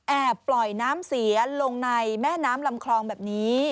ปล่อยน้ำเสียลงในแม่น้ำลำคลองแบบนี้